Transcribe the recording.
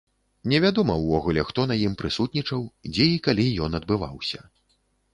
Невядома ўвогуле, хто на ім прысутнічаў, дзе і калі ён адбываўся.